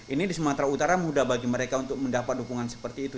ini di sumatera utara mudah bagi mereka untuk mendapat dukungan seperti itu